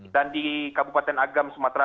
dan di kabupaten agam sumatera